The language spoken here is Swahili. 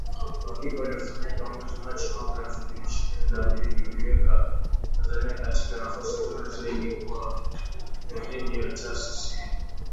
Uhakiki uliofanyika mwezi Machi, mwaka elfu mbili ishirini na mbili, uliiweka Tanzania katika nafasi nzuri zaidi kuwa mwenyeji wa taasisi hiyo